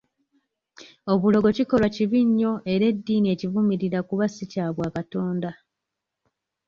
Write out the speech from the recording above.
Obulogo kikolwa kibi nnyo era eddiini ekivumirira kuba si kya bwakatonda.